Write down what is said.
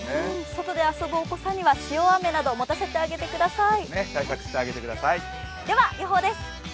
外で遊ぶお子さんには、塩あめなどを持たせてあげてください。